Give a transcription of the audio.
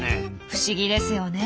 不思議ですよね。